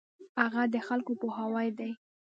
هغه د خلکو پوهاوی دی.